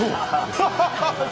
ハハハッ！